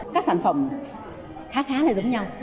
các sản phẩm khá khá là giống nhau